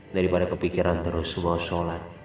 daripada kepikiran terus semua sholat